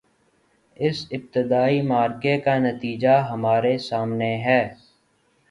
اس ابتدائی معرکے کا نتیجہ ہمارے سامنے ہے۔